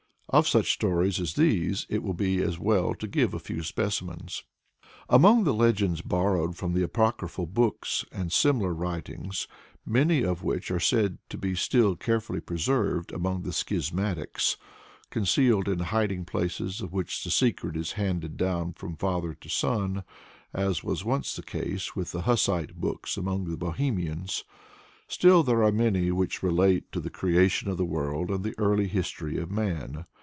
Of such stories as these, it will be as well to give a few specimens. Among the legends borrowed from the apocryphal books and similar writings, many of which are said to be still carefully preserved among the "Schismatics," concealed in hiding places of which the secret is handed down from father to son as was once the case with the Hussite books among the Bohemians there are many which relate to the creation of the world and the early history of man.